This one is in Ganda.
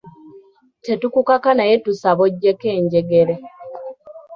Tetukukaka naye tusaba oggyeko enjegere.